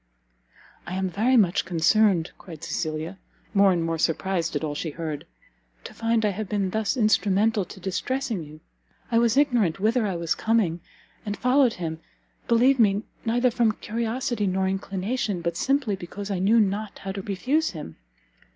"I am very much concerned," cried Cecilia, more and more surprised at all she heard, "to find I have been thus instrumental to distressing you. I was ignorant whither I was coming, and followed him, believe me, neither from curiosity nor inclination, but simply because I knew not how to refuse him.